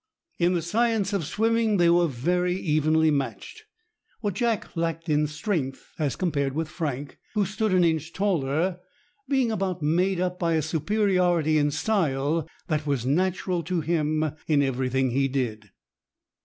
In the science of swimming they were very evenly matched; what Jack lacked in strength as compared with Frank, who stood an inch taller, being about made up by a superiority in style that was natural to him in everything he did.